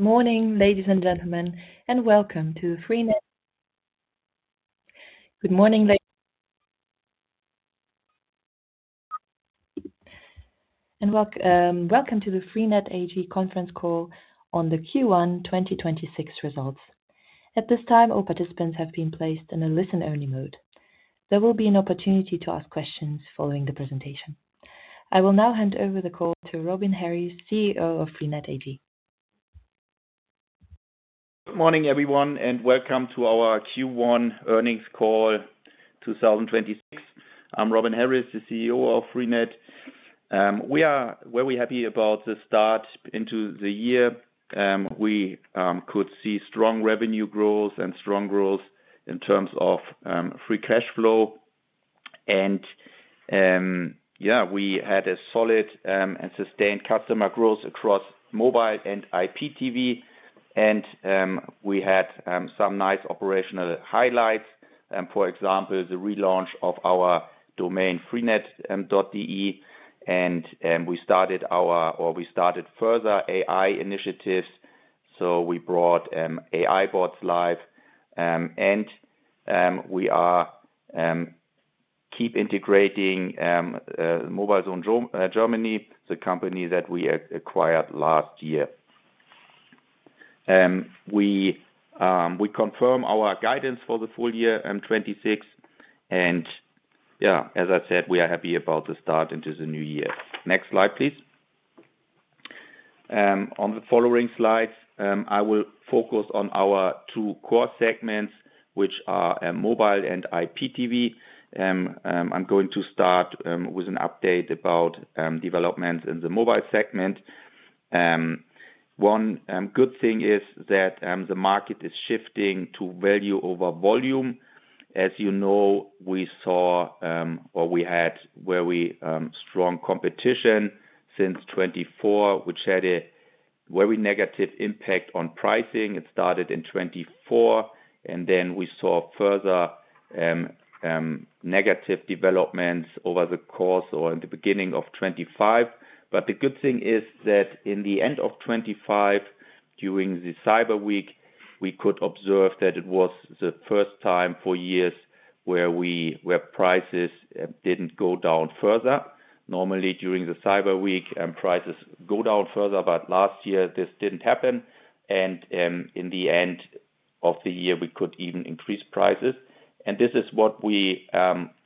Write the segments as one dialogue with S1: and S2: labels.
S1: Morning, ladies and gentlemen, and welcome to freenet. Good morning. Welcome to the freenet AG conference call on the Q1 2026 results. At this time, all participants have been placed in a listen-only mode. There will be an opportunity to ask questions following the presentation. I will now hand over the call to Robin Harries, CEO of freenet AG.
S2: Morning, everyone, welcome to our Q1 earnings call 2026. I'm Robin Harries, the CEO of freenet. We are very happy about the start into the year. We could see strong revenue growth and strong growth in terms of free cash flow. We had a solid and sustained customer growth across mobile and IPTV, and we had some nice operational highlights, for example, the relaunch of our domain, freenet.de, and we started further AI initiatives, so we brought AI bots live. We are keep integrating mobilezone Germany, the company that we acquired last year. We confirm our guidance for the full year 2026. As I said, we are happy about the start into the new year. Next slide, please. On the following slides, I will focus on our two core segments, which are mobile and IPTV. I'm going to start with an update about developments in the mobile segment. One good thing is that the market is shifting to value over volume. As you know, we saw or we had very strong competition since 2024, which had a very negative impact on pricing. It started in 2024, we saw further negative developments over the course or in the beginning of 2025. The good thing is that in the end of 2025, during the Cyber Week, we could observe that it was the first time for years where prices didn't go down further. Normally, during the Cyber Week, prices go down further, last year this didn't happen, in the end of the year, we could even increase prices. This is what we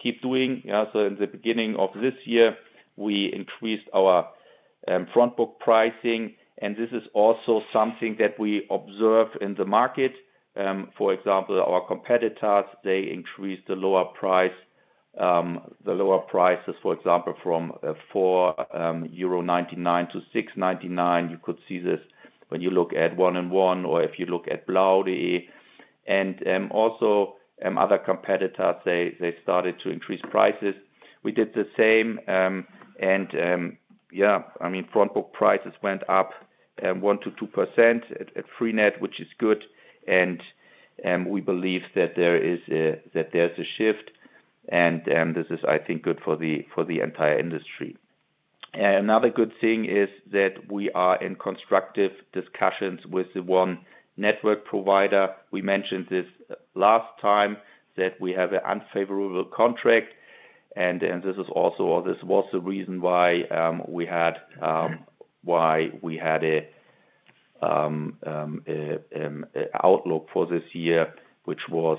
S2: keep doing. You know, in the beginning of this year, we increased our front book pricing, this is also something that we observe in the market. For example, our competitors, they increased the lower price, the lower prices, for example, from 4.99 euro to 6.99. You could see this when you look at 1&1 or if you look at Blau. Other competitors, they started to increase prices. We did the same. I mean, front book prices went up 1%-2% at freenet, which is good. We believe that there's a shift and this is, I think, good for the entire industry. Another good thing is that we are in constructive discussions with the one network provider. We mentioned this last time that we have an unfavorable contract, this was the reason why we had an outlook for this year, which was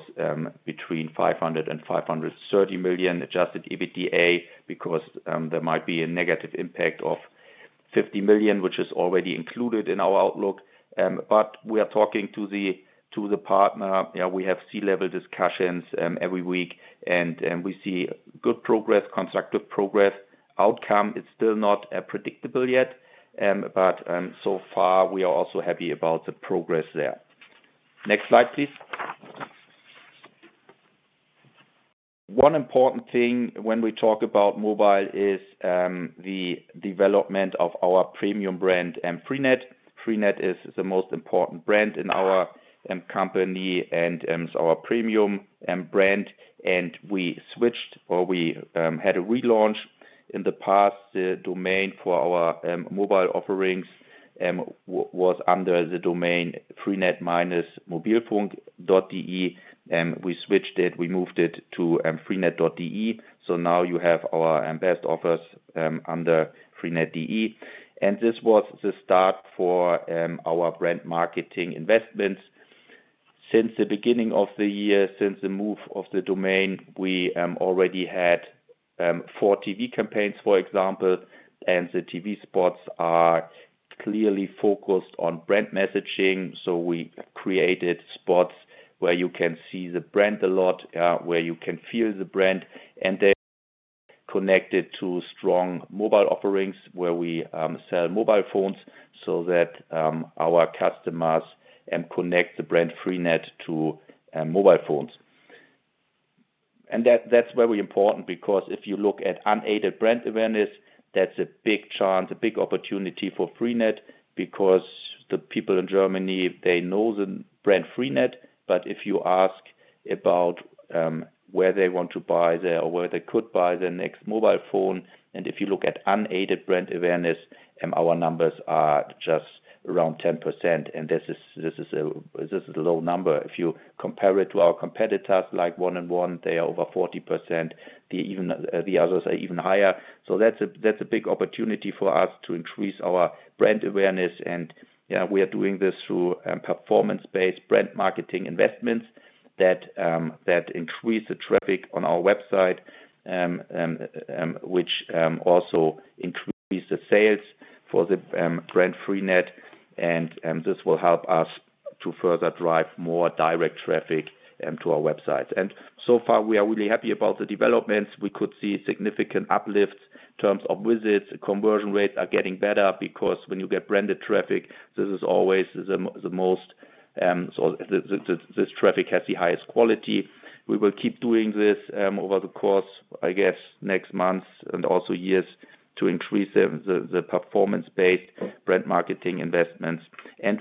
S2: between 500 million and 530 million Adjusted EBITDA because there might be a negative impact of 50 million, which is already included in our outlook. We are talking to the partner. Yeah, we have C-level discussions every week, we see good progress, constructive progress. Outcome is still not predictable yet, so far we are also happy about the progress there. Next slide, please. One important thing when we talk about mobile is the development of our premium brand, freenet. freenet is the most important brand in our company and is our premium brand. We switched, or we had a relaunch. In the past, the domain for our mobile offerings was under the domain freenet-mobilfunk.de, we switched it. We moved it to freenet.de. Now you have our best offers under freenet.de. This was the start for our brand marketing investments. Since the beginning of the year, since the move of the domain, we already had four TV campaigns, for example. The TV spots are clearly focused on brand messaging. We created spots where you can see the brand a lot, where you can feel the brand, and they're connected to strong mobile offerings where we sell mobile phones so that our customers connect the brand freenet to mobile phones. That's very important because if you look at unaided brand awareness, that's a big chance, a big opportunity for freenet because the people in Germany, they know the brand freenet. If you ask about where they want to buy their or where they could buy their next mobile phone. If you look at unaided brand awareness, our numbers are just around 10%. This is a low number. If you compare it to our competitors, like 1&1, they are over 40%. The others are even higher. That's a big opportunity for us to increase our brand awareness. We are doing this through performance-based brand marketing investments that increase the traffic on our website, which also increase the sales for the brand freenet. This will help us to further drive more direct traffic to our website. So far, we are really happy about the developments. We could see significant uplifts in terms of visits conversion rates are getting better because when you get branded traffic, this traffic has the highest quality. We will keep doing this, over the course, I guess, next months and also years to increase the performance-based brand marketing investments.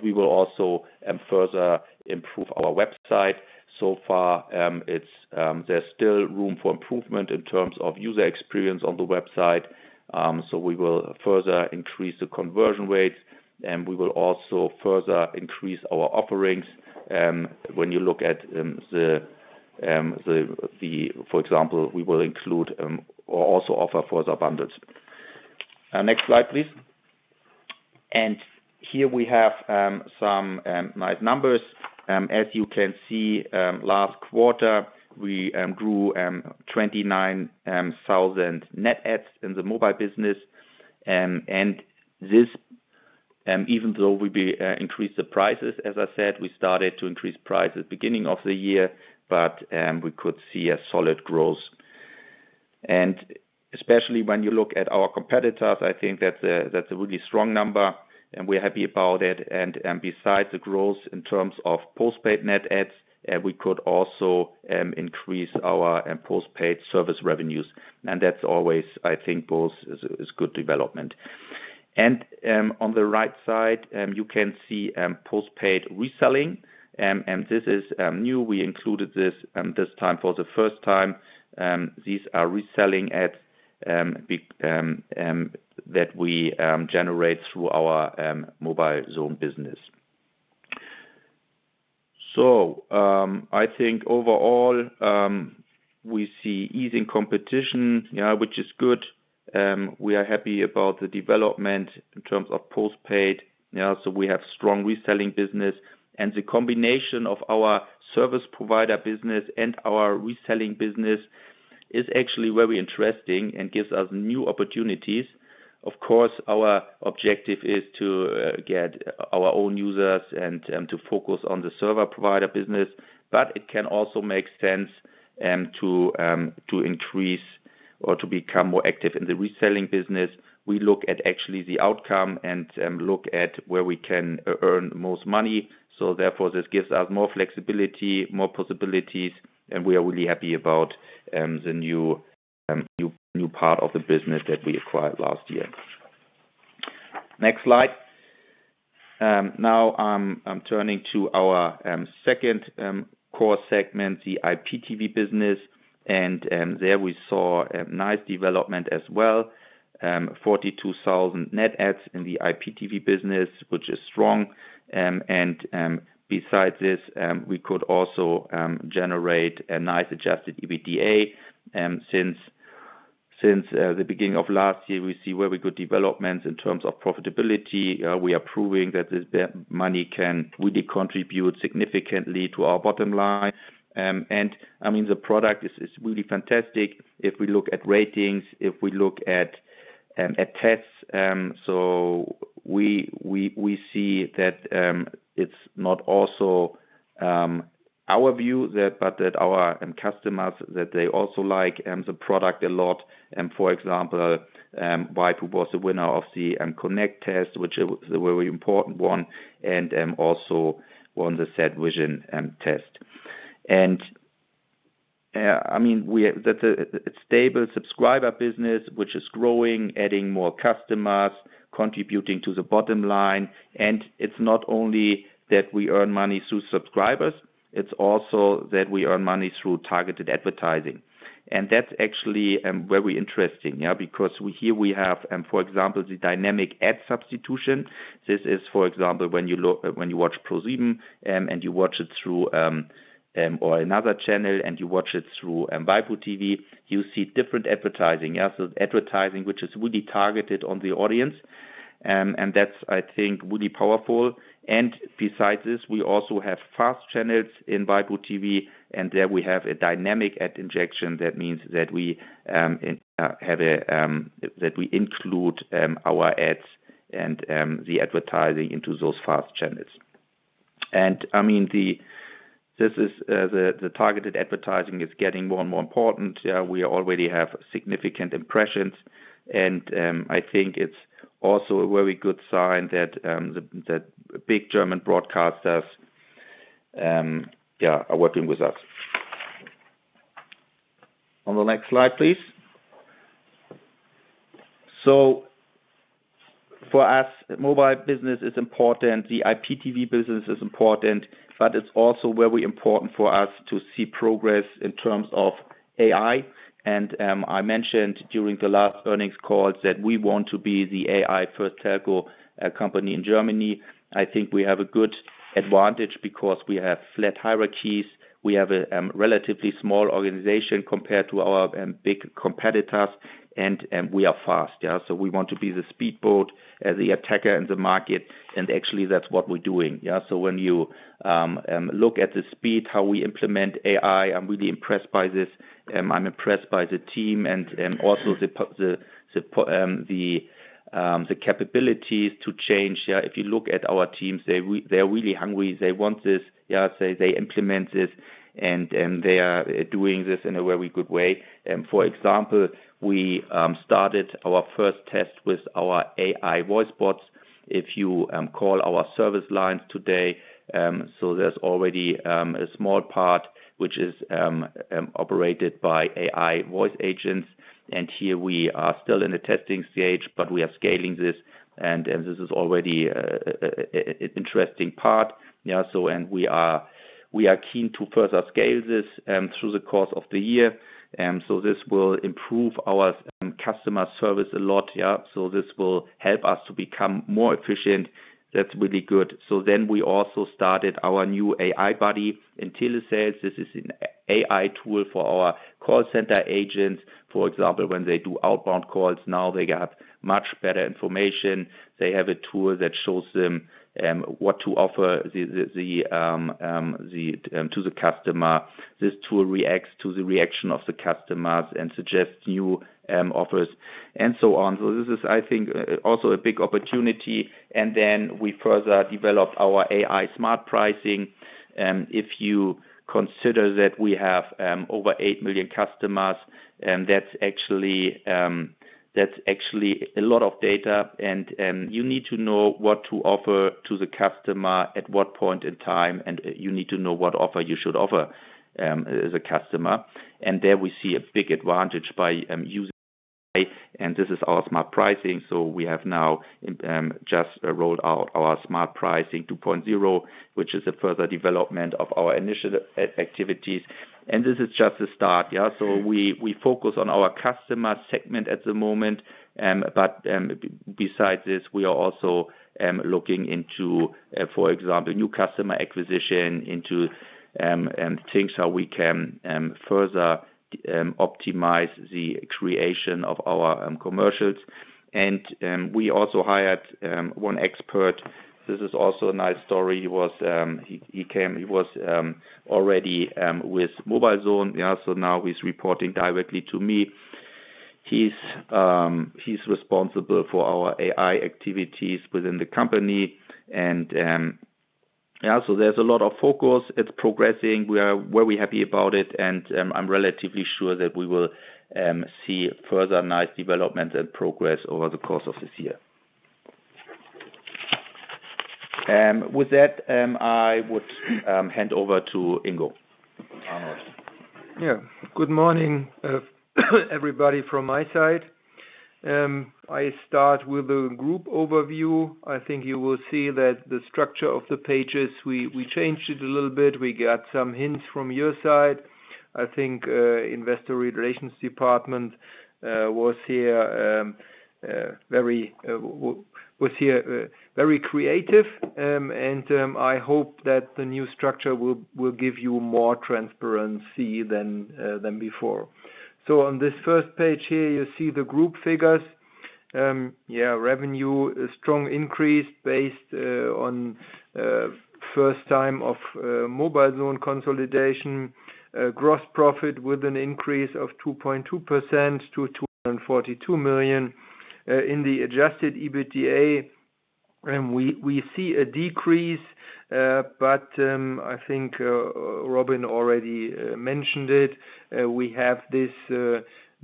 S2: We will also further improve our website. So far, there's still room for improvement in terms of user experience on the website. We will further increase the conversion rates, and we will also further increase our offerings. When you look at the—For example, we will include or also offer further bundles. Next slide, please. Here we have some nice numbers. As you can see, last quarter, we grew 29,000 net adds in the mobile business. This, even though we increased the prices, as I said, we started to increase prices beginning of the year, we could see a solid growth. Especially when you look at our competitors, I think that's a really strong number, and we're happy about it. Besides the growth in terms of postpaid net adds, we could also increase our postpaid service revenues. That's always I think both is good development. On the right side, you can see postpaid reselling. This is new. We included this this time for the first time. These are reselling adds that we generate through our mobilezone business. I think overall, we see easing competition, which is good. We are happy about the development in terms of postpaid. We have strong reselling business, and the combination of our service provider business and our reselling business is actually very interesting and gives us new opportunities. Of course, our objective is to get our own users and to focus on the server provider business, but it can also make sense to increase or to become more active in the reselling business. We look at actually the outcome and look at where we can earn the most money. This gives us more flexibility, more possibilities, and we are really happy about the new part of the business that we acquired last year. Next slide. Now I'm turning to our second core segment, the IPTV business. There we saw a nice development as well. 42,000 net adds in the IPTV business, which is strong. Besides this, we could also generate a nice Adjusted EBITDA. Since the beginning of last year, we see very good developments in terms of profitability. We are proving that this money can really contribute significantly to our bottom line. I mean, the product is really fantastic. If we look at ratings, if we look at tests, we see that it's not also our view that, but that our customers, that they also like the product a lot. For example, waipu.tv was the winner of the connect test, which is a very important one, and also won the SATVISION test. I mean, That's a stable subscriber business which is growing, adding more customers, contributing to the bottom line. It's not only that we earn money through subscribers, it's also that we earn money through targeted advertising. That's actually very interesting. Because here we have, for example, the Dynamic Ad Substitution. This is, for example, when you watch ProSieben, and you watch it through, or another channel, and you watch it through waipu.tv, you see different advertising. Advertising, which is really targeted on the audience. That's, I think, really powerful. Besides this, we also have FAST channels in waipu.tv, and there we have a Dynamic Ad Injection. That means that we include our ads and the advertising into those FAST channels. This is, the targeted advertising is getting more and more important. We already have significant impressions. I think it's also a very good sign that the big German broadcasters are working with us. On the next slide, please. For us, mobile business is important. The IPTV business is important, but it's also very important for us to see progress in terms of AI. I mentioned during the last earnings call that we want to be the AI first telco company in Germany. I think we have a good advantage because we have flat hierarchies. We have a relatively small organization compared to our big competitors, and we are fast. We want to be the speedboat, the attacker in the market, and actually, that's what we're doing. When you look at the speed, how we implement AI, I'm really impressed by this. I'm impressed by the team and also the capabilities to change, yeah. If you look at our teams, they're really hungry. They want this, yeah. They implement this and they are doing this in a very good way. For example, we started our first test with our AI voice bots. If you call our service lines today, there's already a small part which is operated by AI voice agents. Here we are still in the testing stage, but we are scaling this and this is already a interesting part. We are keen to further scale this through the course of the year. This will improve our customer service a lot. This will help us to become more efficient. That's really good. We also started our new AI buddy in telesales. This is an AI tool for our call center agents. For example, when they do outbound calls, now they got much better information. They have a tool that shows them what to offer to the customer. This tool reacts to the reaction of the customers and suggests new offers and so on. This is I think also a big opportunity. We further developed our AI Smart Pricing. If you consider that we have over 8 million customers, that's actually a lot of data and you need to know what to offer to the customer at what point in time, and you need to know what offer you should offer the customer. There we see a big advantage by using AI, and this is our Smart Pricing. We have now just rolled out our Smart Pricing 2.0, which is a further development of our initial activities. This is just a start. We focus on our customer segment at the moment. Besides this, we are also looking into, for example, new customer acquisition into things how we can further optimize the creation of our commercials. We also hired one expert. This is also a nice story. He was already with mobilezone. Now he's reporting directly to me. He's responsible for our AI activities within the company. Yeah, there's a lot of focus. It's progressing. We are very happy about it, and I'm relatively sure that we will see further nice development and progress over the course of this year. With that, I would hand over to Ingo.
S3: Good morning, everybody from my side. I start with the group overview. I think you will see that the structure of the pages, we changed it a little bit. We got some hints from your side. I think investor relations department was here very creative. I hope that the new structure will give you more transparency than before. On this first page here, you see the group figures. Revenue, a strong increase based on first time of mobilezone consolidation. Gross profit with an increase of 2.2% to 242 million. In the Adjusted EBITDA, we see a decrease, I think Robin already mentioned it. We have this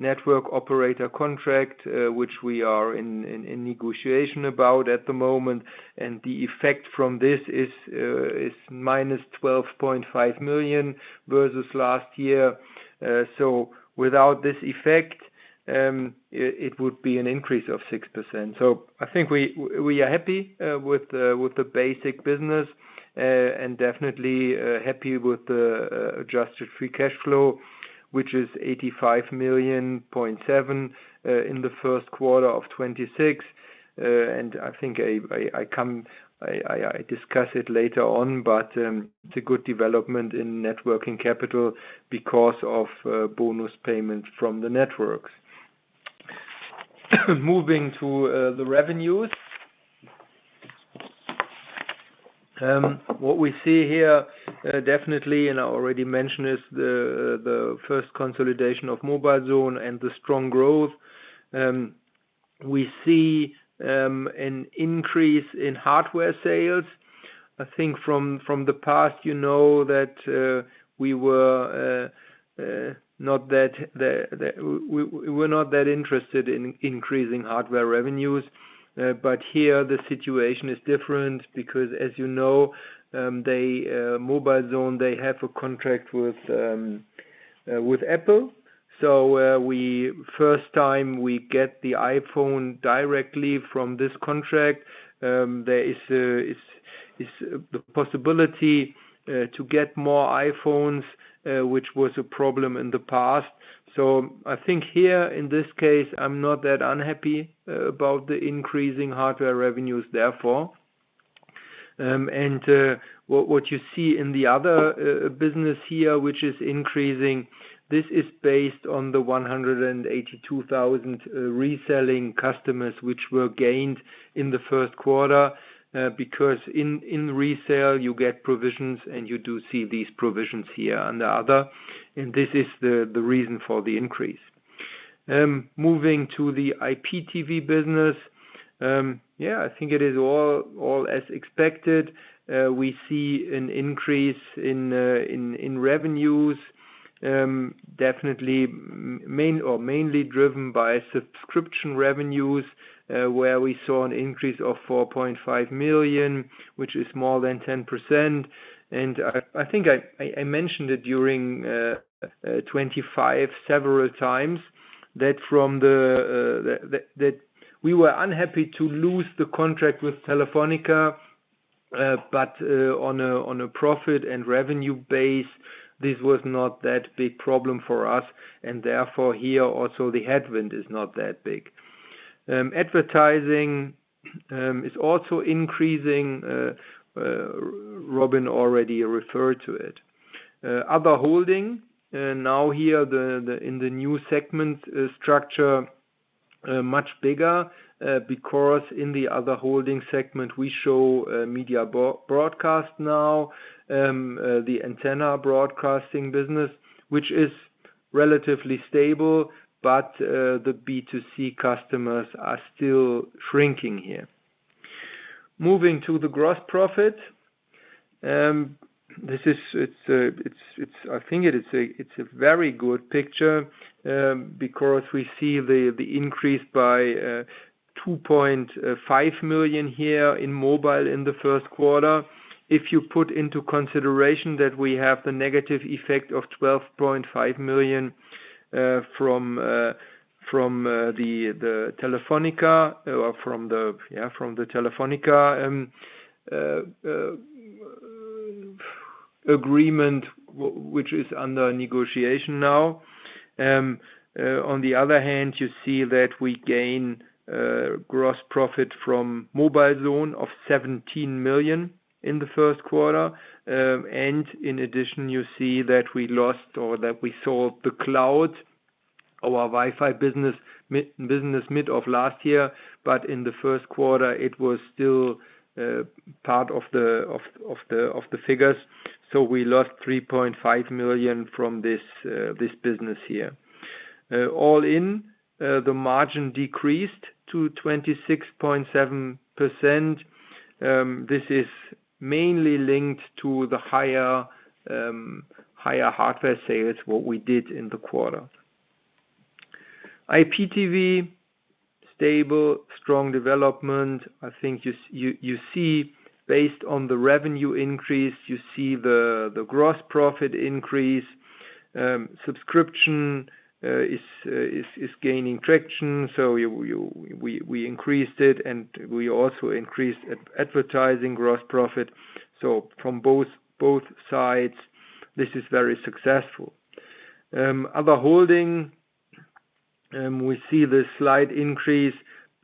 S3: network operator contract, which we are in negotiation about at the moment, the effect from this is -12.5 million versus last year. Without this effect, it would be an increase of 6%. I think we are happy with the basic business and definitely happy with the adjusted free cash flow, which is 85.7 million in the first quarter of 2026. I think I discuss it later on, but it's a good development in net working capital because of bonus payment from the networks. Moving to the revenues. What we see here, definitely, and I already mentioned, is the first consolidation of mobilezone and the strong growth. We see an increase in hardware sales. From the past you know that we were not that interested in increasing hardware revenues. But here the situation is different because, as you know, they, mobilezone, they have a contract with Apple. First time we get the iPhone directly from this contract. There is the possibility to get more iPhones, which was a problem in the past. I think here in this case, I'm not that unhappy about the increasing hardware revenues therefore. What you see in the other business here, which is increasing, this is based on the 182,000 reselling customers which were gained in the first quarter. Because in resale, you get provisions, and you do see these provisions here under other, and this is the reason for the increase. Moving to the IPTV business. Yeah, I think it is all as expected. We see an increase in revenues. Definitely main or mainly driven by subscription revenues, where we saw an increase of 4.5 million, which is more than 10%. I think I mentioned it during 2025 several times that from the that we were unhappy to lose the contract with Telefónica, but on a profit and revenue base, this was not that big problem for us, and therefore, here also the headwind is not that big. Advertising is also increasing. Robin already referred to it. Other holding, now here the, in the new segment structure, much bigger, because in the other holding segment, we show Media Broadcast now, the antenna broadcasting business, which is relatively stable, but the B2C customers are still shrinking here. Moving to the gross profit. It's, it's I think it is a, it's a very good picture, because we see the increase by 2.5 million here in mobile in the first quarter. If you put into consideration that we have the negative effect of 12.5 million from from the Telefónica or from the, yeah, from the Telefónica agreement which is under negotiation now. On the other hand, you see that we gain gross profit from mobilezone of 17 million in the first quarter. In addition, you see that we lost or that we sold the cloud, our Wi-Fi business mid of last year, but in the first quarter, it was still part of the figures. We lost 3.5 million from this business here. All in, the margin decreased to 26.7%. This is mainly linked to the higher hardware sales, what we did in the quarter. IPTV, stable, strong development. I think you see based on the revenue increase, you see the gross profit increase. Subscription is gaining traction, so we increased it, and we also increased advertising gross profit. From both sides, this is very successful. Other holding, we see the slight increase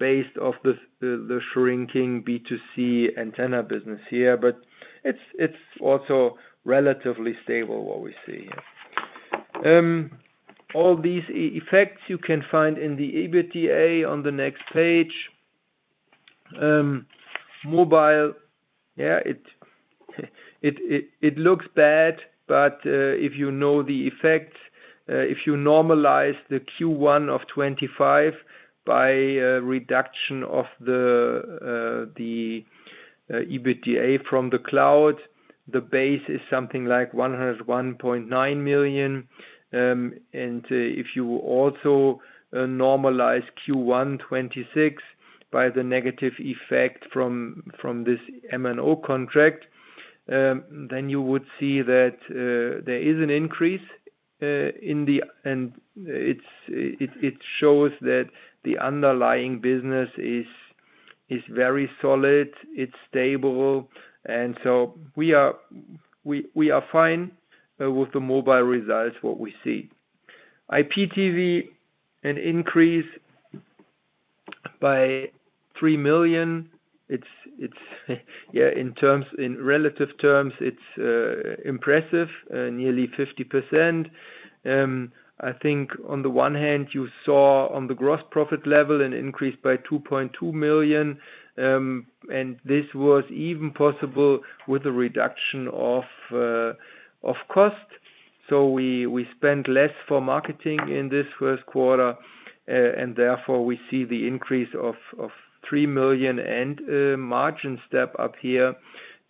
S3: based of the shrinking B2C antenna business here, but it's also relatively stable what we see here. All these effects you can find in the EBITDA on the next page. Mobile looks bad, if you know the effect, if you normalize the Q1 of 2025 by reduction of the EBITDA from the cloud, the base is something like 101.9 million. If you also normalize Q1 2026 by the negative effect from this MNO contract, then you would see that there is an increase in the. It shows that the underlying business is very solid, it's stable, so we are fine with the mobile results, what we see. IPTV, an increase by 3 million. It's, in relative terms, it's impressive, nearly 50%. I think on the one hand, you saw on the gross profit level an increase by 2.2 million. This was even possible with a reduction of cost. We spent less for marketing in this first quarter, and therefore we see the increase of 3 million and margin step up here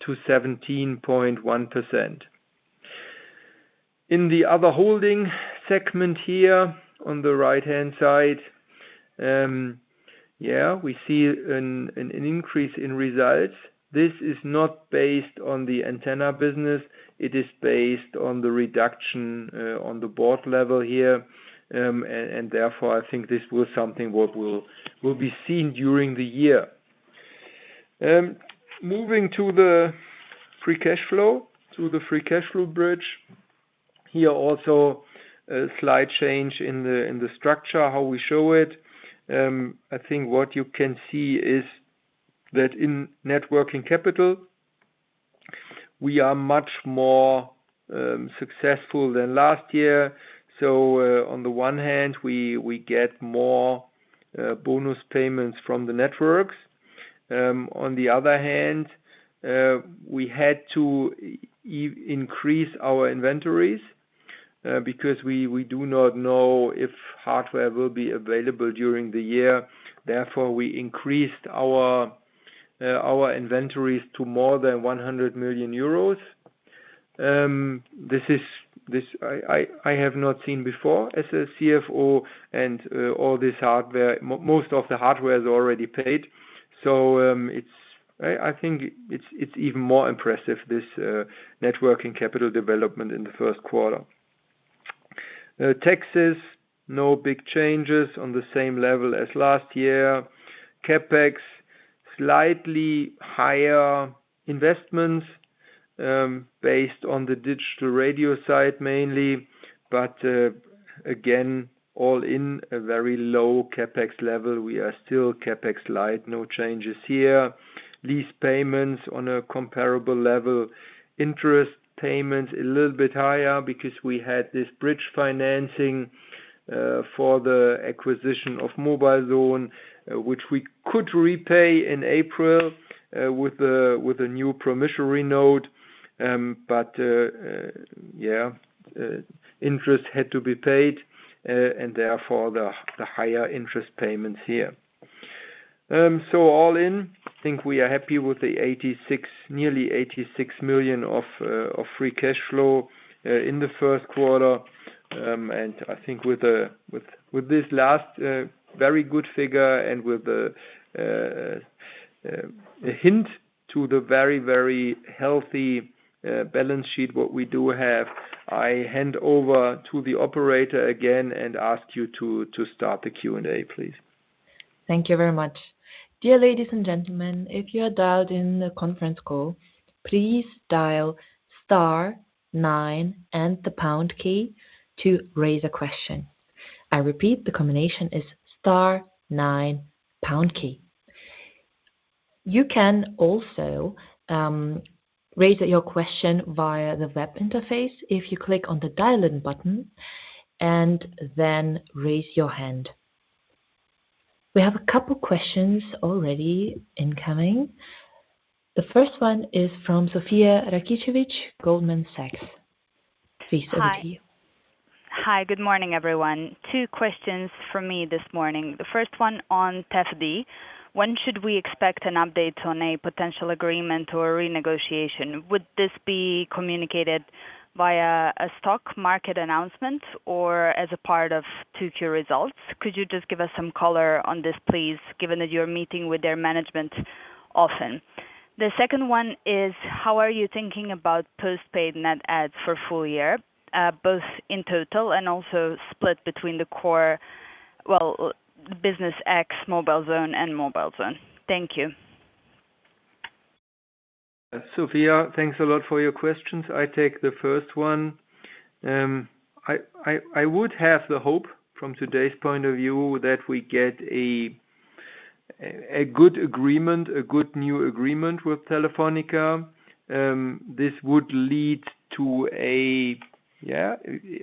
S3: to 17.1%. In the other holding segment here on the right-hand side, yeah, we see an increase in results. This is not based on the antenna business, it is based on the reduction on the board level here. Therefore, I think this was something what will be seen during the year. Moving to the free cash flow bridge. Here also a slight change in the structure, how we show it. I think what you can see is that in net working capital, we are much more successful than last year. On the one hand, we get more bonus payments from the networks. On the other hand, we had to increase our inventories because we do not know if hardware will be available during the year. Therefore, we increased our inventories to more than 100 million euros. This I have not seen before as a CFO and all this hardware, most of the hardware is already paid. It's, I think it's even more impressive, this net working capital development in the first quarter. Taxes, no big changes, on the same level as last year. CapEx, slightly higher investments, based on the digital radio side mainly, but again, all in a very low CapEx level. We are still CapEx light. No changes here. Lease payments on a comparable level. Interest payments a little bit higher because we had this bridge financing for the acquisition of mobilezone, which we could repay in April with a new promissory note. Yeah, interest had to be paid, and therefore the higher interest payments here. All in, I think we are happy with nearly 86 million of free cash flow in the first quarter. I think with this last very good figure and with the hint to the very, very healthy balance sheet what we do have, I hand over to the operator again and ask you to start the Q and A, please.
S1: Thank you very much. Dear ladies and gentlemen, if you are dialed in the conference call, please dial star nine and the pound key to raise a question. I repeat, the combination is star nine pound key. You can also raise your question via the web interface if you click on the dial-in button and then raise your hand. We have a couple questions already incoming. The first one is from Slobodan Rakonjac, Goldman Sachs. Slobodan, it's you.
S4: Hi. Hi, good morning, everyone. Two questions from me this morning. The first one on Telefónica Deutschland. When should we expect an update on a potential agreement or a renegotiation? Would this be communicated via a stock market announcement or as a part of two-tier results? Could you just give us some color on this, please, given that you're meeting with their management often? The second one is: How are you thinking about postpaid net adds for full year, both in total and also split between the core business ex mobilezone and mobilezone? Thank you.
S3: Slobodan, thanks a lot for your questions. I take the first one. I would have the hope from today's point of view that we get a good agreement, a good new agreement with Telefónica. This would lead to a Yeah,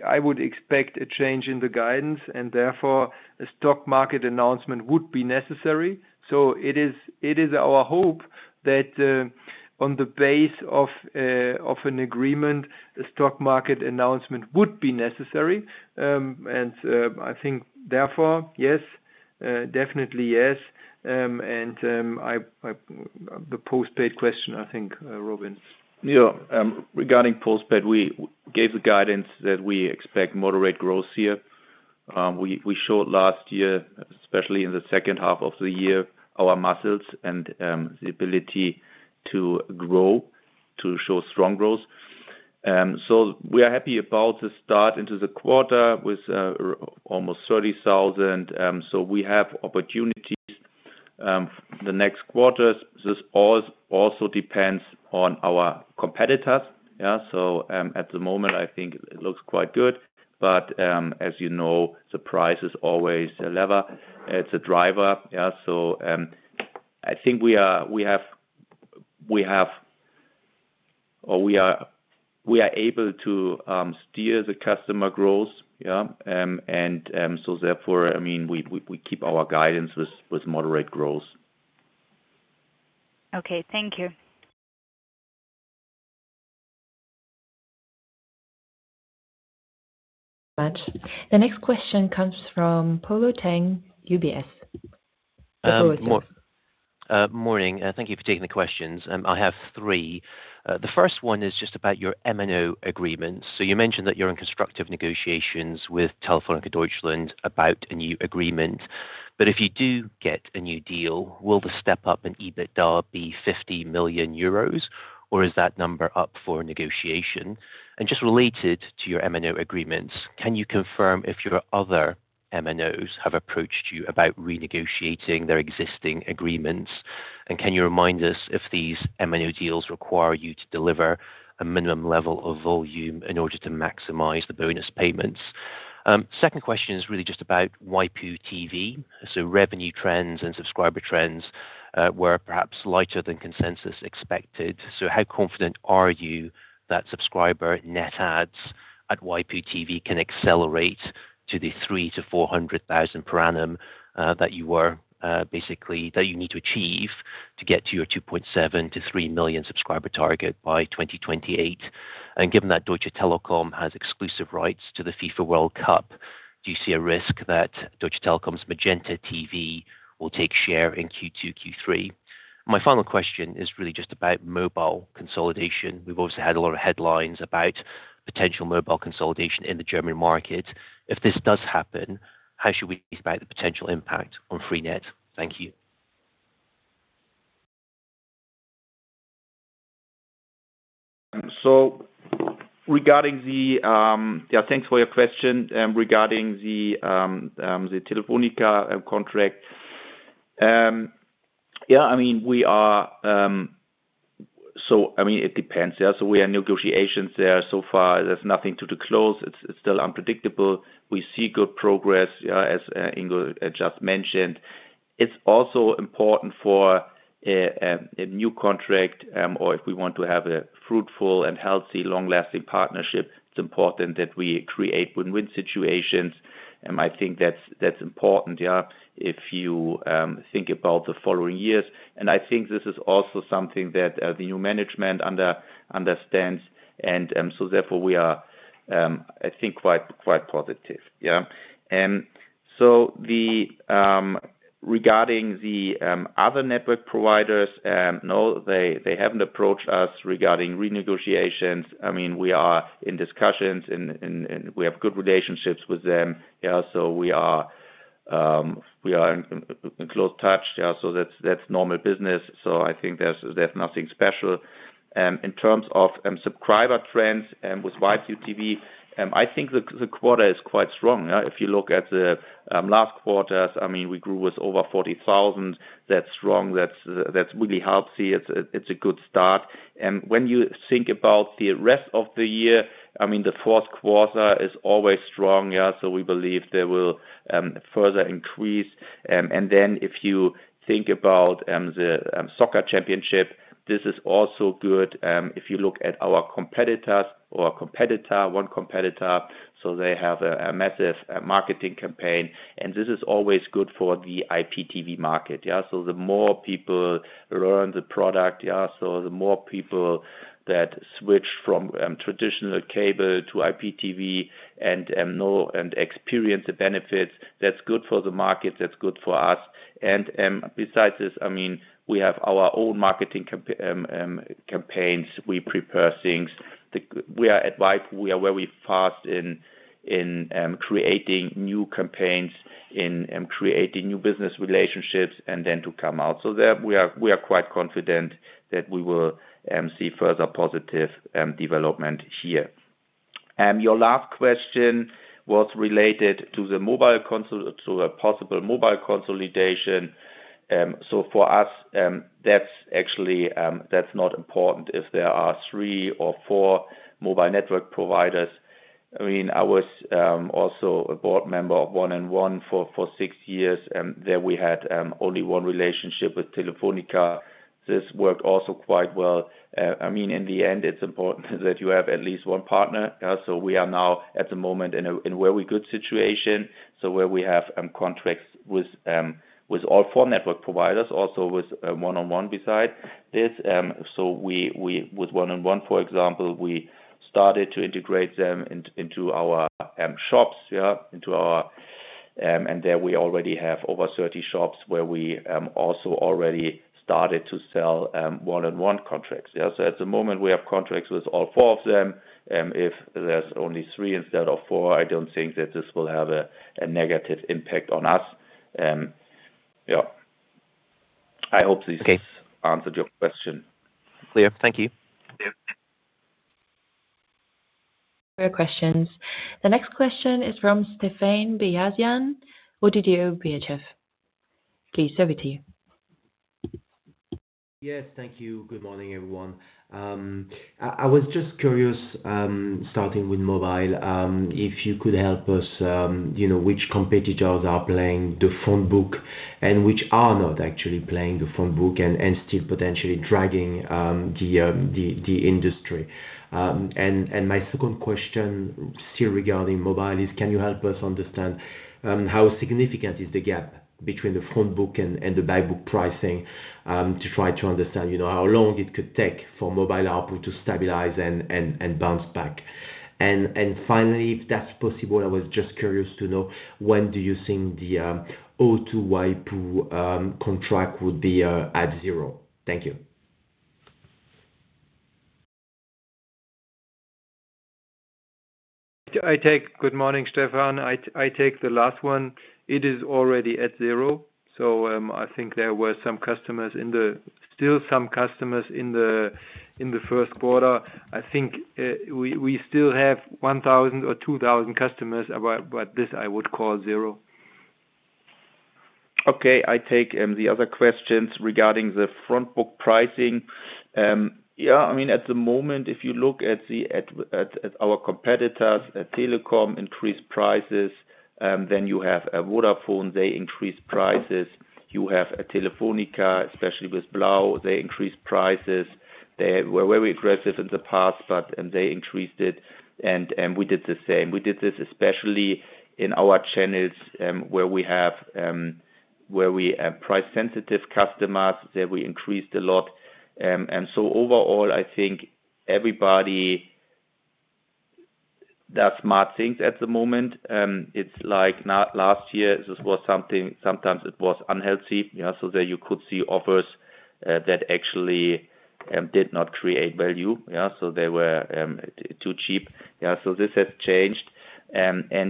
S3: I would expect a change in the guidance, and therefore a stock market announcement would be necessary. It is our hope that on the base of an agreement, a stock market announcement would be necessary. I think therefore, yes, definitely yes. I The postpaid question, I think, Robin.
S2: Regarding postpaid, we gave the guidance that we expect moderate growth here. We showed last year, especially in the second half of the year, our muscles and the ability to grow, to show strong growth. We are happy about the start into the quarter with almost 30,000. We have opportunities the next quarters. This also depends on our competitors. At the moment, I think it looks quite good. As you know, the price is always a lever. It's a driver. I think we have or we are able to steer the customer growth. Therefore, I mean, we keep our guidance with moderate growth.
S4: Okay. Thank you.
S1: Much. The next question comes from Polo Tang, UBS. Polo Tang
S5: Morning. Thank you for taking the questions. I have three. The first one is just about your MNO agreements. You mentioned that you're in constructive negotiations with Telefónica Deutschland about a new agreement. If you do get a new deal, will the step up in EBITDA be 50 million euros, or is that number up for negotiation? Just related to your MNO agreements, can you confirm if your other MNOs have approached you about renegotiating their existing agreements? Can you remind us if these MNO deals require you to deliver a minimum level of volume in order to maximize the bonus payments? Second question is really just about waipu.tv. Revenue trends and subscriber trends were perhaps lighter than consensus expected. How confident are you that subscriber net adds at waipu.tv can accelerate to the 300,000-400,000 per annum, that you were, basically that you need to achieve to get to your 2.7 million-3 million subscriber target by 2028? Given that Deutsche Telekom has exclusive rights to the FIFA World Cup, do you see a risk that Deutsche Telekom's MagentaTV will take share in Q2, Q3? My final question is really just about mobile consolidation. We've also had a lot of headlines about potential mobile consolidation in the German market. If this does happen, how should we think about the potential impact on freenet? Thank you.
S2: Yeah, thanks for your question. Regarding the Telefónica contract. Yeah, I mean, we are. I mean, it depends. Yeah, we are in negotiations there. So far, there's nothing to close. It's still unpredictable. We see good progress, as Ingo just mentioned. It's also important for a new contract, or if we want to have a fruitful and healthy, long-lasting partnership, it's important that we create win-win situations. I think that's important, yeah, if you think about the following years. I think this is also something that the new management understands, and therefore we are, I think, quite positive. Yeah. Regarding the other network providers, no, they haven't approached us regarding renegotiations. I mean, we are in discussions and we have good relationships with them. We are in close touch. That's normal business. I think there's nothing special. In terms of subscriber trends with waipu.tv, I think the quarter is quite strong if you look at the last quarters. I mean, we grew with over 40,000. That's strong. That's really healthy. It's a good start. When you think about the rest of the year, I mean, the fourth quarter is always strong. Yeah. We believe there will further increase. If you think about the soccer championship, this is also good. If you look at our competitors or competitor, one competitor, they have a massive marketing campaign, and this is always good for the IPTV market. Yeah. The more people learn the product, yeah, the more people that switch from traditional cable to IPTV and know and experience the benefits, that's good for the market, that's good for us. Besides this, I mean, we have our own marketing campaigns. We prepare things. We are at Waipu, we are very fast in creating new campaigns, in creating new business relationships and then to come out. There we are, we are quite confident that we will see further positive development here. Your last question was related to a possible mobile consolidation. For us, that's actually not important if there are three or four mobile network providers. I mean, I was also a board member of 1&1 for six years, there we had only one relationship with Telefónica. This worked also quite well. I mean, in the end, it's important that you have at least one partner. We are now at the moment in a very good situation. Where we have contracts with all four network providers, also with 1&1 beside this. With 1&1, for example, we started to integrate them into our shops. Yeah. There we already have over 30 shops where we also already started to sell 1&1 contracts. Yeah. At the moment, we have contracts with all four of them. If there's only three instead of four, I don't think that this will have a negative impact on us. Yeah.
S5: Okay
S2: Answered your question.
S5: Clear. Thank you.
S2: Yeah.
S1: More questions. The next question is from Stephane Beyazian, Oddo BHF. Please over to you.
S6: Yes. Thank you. Good morning, everyone. I was just curious, starting with mobile, if you could help us, you know, which competitors are playing the front book and which are not actually playing the front book and still potentially dragging the industry. My second question still regarding mobile is, can you help us understand how significant is the gap between the front book and the back book pricing to try to understand, you know, how long it could take for mobile ARPU to stabilize and bounce back? Finally, if that's possible, I was just curious to know, when do you think the O2 MVNO contract would be at zero? Thank you.
S3: Good morning, Stephane. I take the last one. It is already at zero. I think there were still some customers in the first quarter. I think we still have 1,000 or 2,000 customers. This I would call zero.
S2: I take the other questions regarding the front book pricing. I mean, at the moment, if you look at our competitors, Telekom increased prices. Then you have Vodafone, they increased prices. You have Telefónica, especially with Blau, they increased prices. They were very aggressive in the past, but they increased it, and we did the same. We did this especially in our channels, where we have price-sensitive customers, there we increased a lot. Overall, I think everybody does smart things at the moment. It's like not last year, this was sometimes unhealthy. You know, there you could see offers that actually did not create value. They were too cheap. This has changed.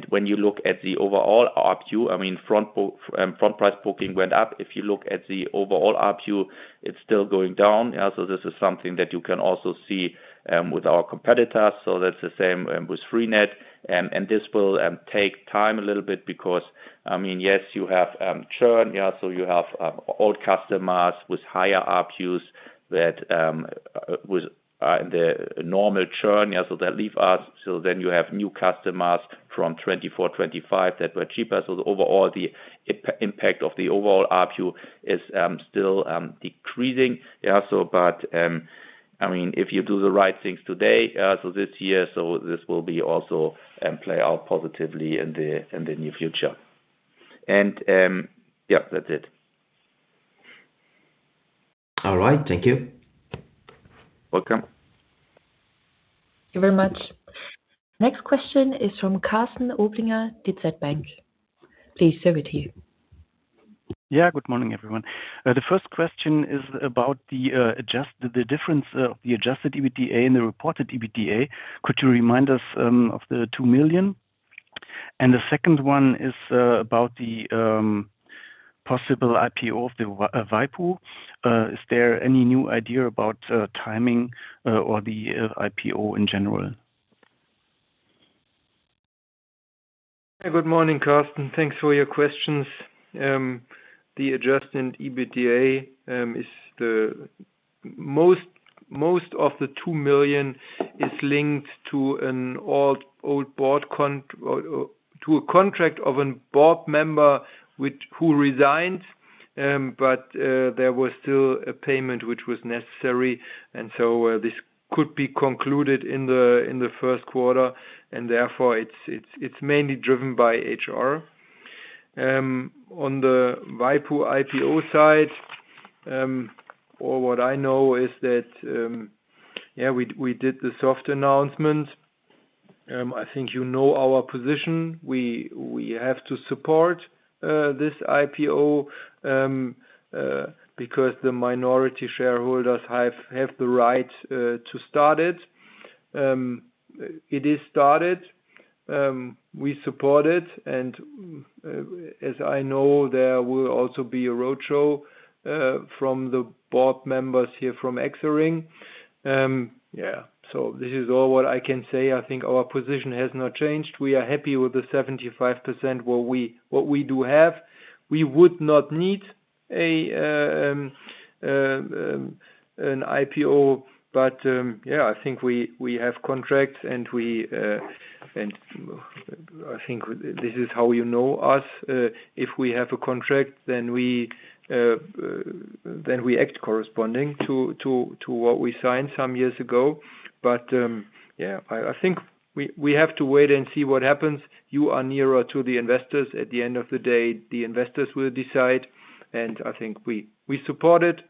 S2: When you look at the overall ARPU, I mean, front price booking went up. If you look at the overall ARPU, it's still going down. This is something that you can also see with our competitors. That's the same with freenet. This will take time a little bit because, I mean, yes, you have churn. You have old customers with higher ARPUs that with in the normal churn, they leave us. You have new customers from 2024, 2025 that were cheaper. Overall, the impact of the overall ARPU is still decreasing. I mean, if you do the right things today, this year, so this will be also play out positively in the near future. That's it.
S6: All right. Thank you.
S3: Welcome.
S1: Thank you very much. Next question is from Karsten Oblinger, DZ Bank. Please over to you.
S7: Good morning, everyone. The first question is about the difference of the Adjusted EBITDA and the reported EBITDA. Could you remind us of the 2 million? The second one is about the possible IPO of Waipu. Is there any new idea about timing or the IPO in general?
S3: Good morning, Karsten. Thanks for your questions. The Adjusted EBITDA, most of the 2 million is linked to an old board to a contract of an board member who resigned, there was still a payment which was necessary. This could be concluded in the first quarter, it is mainly driven by HR. On the waipu.tv IPO side, all what I know is that we did the soft announcement. I think you know our position. We have to support this IPO because the minority shareholders have the right to start it. It is started. We support it, as I know, there will also be a roadshow from the board members here from Exaring AG. Yeah. This is all what I can say. I think our position has not changed. We are happy with the 75% what we do have. We would not need an IPO, but yeah, I think we have contracts, and I think this is how you know us. If we have a contract, then we act corresponding to what we signed some years ago. Yeah, I think we have to wait and see what happens. You are nearer to the investors. At the end of the day, the investors will decide, and I think we support it,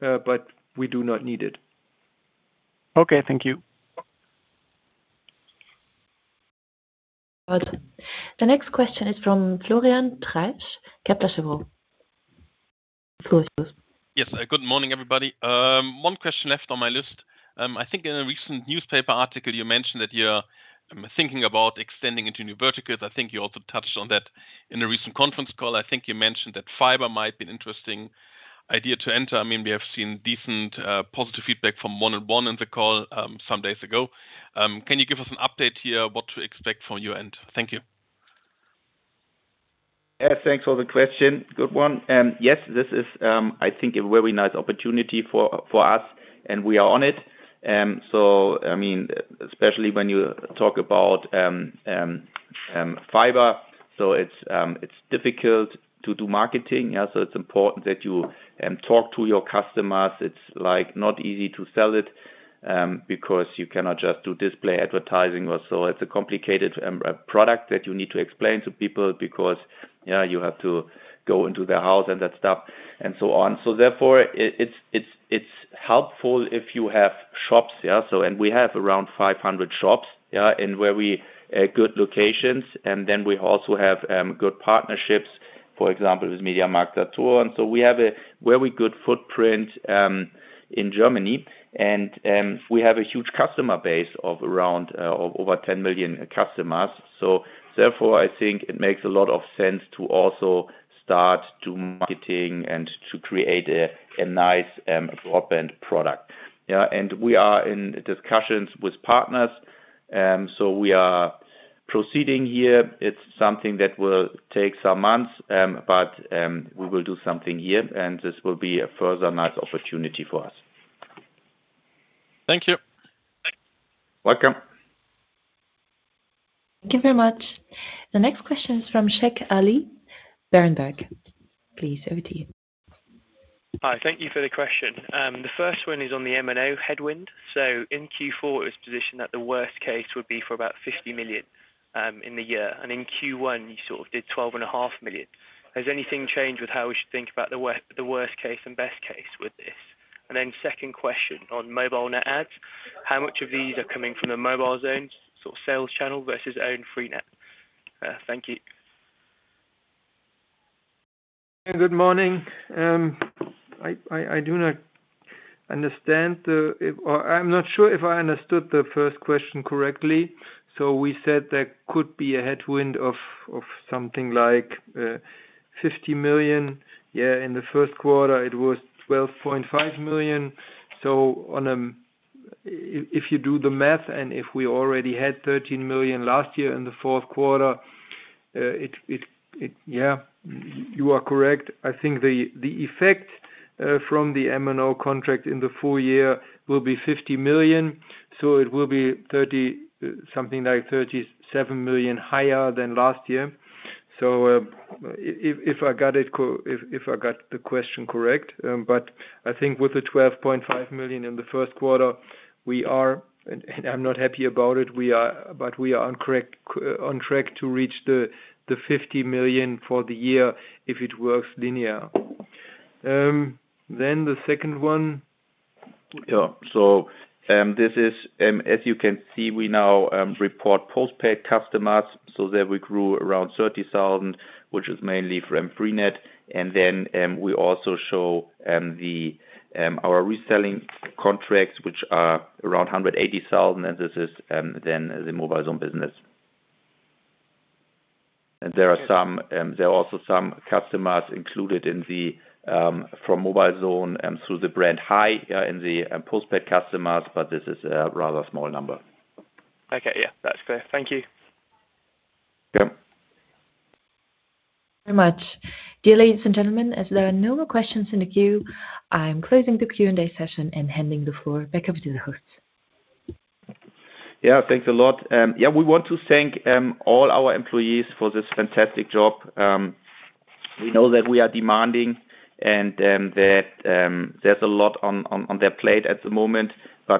S3: but we do not need it.
S7: Okay. Thank you.
S1: The next question is from Florian Treisch, Kepler Cheuvreux. Go ahead, please.
S8: Yes. Good morning, everybody. One question left on my list. I think in a recent newspaper article, you mentioned that you're thinking about extending into new verticals. I think you also touched on that in a recent conference call. I think you mentioned that fiber might be an interesting idea to enter. I mean, we have seen decent positive feedback from 1&1 in the call some days ago. Can you give us an update here what to expect from your end? Thank you.
S2: Yeah. Thanks for the question. Good one. Yes, this is, I think a very nice opportunity for us, and we are on it. I mean especially when you talk about fiber. It's difficult to do marketing. It's important that you talk to your customers. It's, like, not easy to sell it because you cannot just do display advertising or so. It's a complicated product that you need to explain to people because, yeah, you have to go into their house and that stuff, and so on. Therefore, it's helpful if you have shops. We have around 500 shops, and where we good locations, and then we also have good partnerships, for example, with MediaMarktSaturn. We have a very good footprint in Germany and we have a huge customer base of over 10 million customers. Therefore, I think it makes a lot of sense to also start doing marketing and to create a nice broadband product. We are in discussions with partners, we are proceeding here. It's something that will take some months, but we will do something here, and this will be a further nice opportunity for us.
S8: Thank you.
S2: Welcome.
S1: Thank you very much. The next question is from Usman Ghazi, Berenberg. Please, over to you.
S9: Hi. Thank you for the question. The first one is on the MNO headwind. In Q4, it was positioned that the worst case would be for about 50 million in the year, and in Q1, you sort of did 12.5 million. Has anything changed with how we should think about the worst case and best case with this? Second question on mobile net adds. How much of these are coming from the mobilezone sort of sales channel versus own freenet? Thank you.
S3: Good morning. I'm not sure if I understood the first question correctly. We said there could be a headwind of something like 50 million. In the first quarter, it was 12.5 million. If you do the math and if we already had 13 million last year in the fourth quarter, you are correct. I think the effect from the MNO contract in the full year will be 50 million. It will be something like 37 million higher than last year. If I got the question correct. I think with the 12.5 million in the first quarter, we are, and I'm not happy about it, we are on track to reach the 50 million for the year if it works linear. The second one.
S2: Yeah. This is, as you can see, we now report postpaid customers. There we grew around 30,000, which is mainly from freenet. We also show our reselling contracts, which are around 180,000. This is the mobilezone business. There are also some customers included from mobilezone, through the brand HIGH, in the postpaid customers, but this is a rather small number.
S9: Okay. Yeah. That's clear. Thank you.
S2: Yeah.
S1: Very much. Dear ladies and gentlemen, as there are no more questions in the queue, I am closing the Q and A session and handing the floor back over to the hosts.
S2: Yeah. Thanks a lot. We want to thank all our employees for this fantastic job. We know that we are demanding and that there's a lot on their plate at the moment.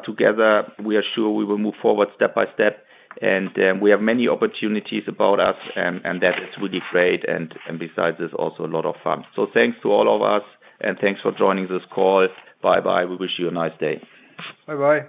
S2: Together, we are sure we will move forward step by step. We have many opportunities about us, and that is really great and besides, it's also a lot of fun. Thanks to all of us, and thanks for joining this call. Bye-bye. We wish you a nice day.
S3: Bye-bye.